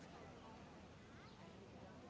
สวัสดีครับทุกคน